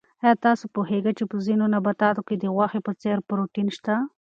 آیا تاسو پوهېږئ چې په ځینو نباتاتو کې د غوښې په څېر پروټین شته؟